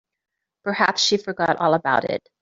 Perhaps she forgot all about it.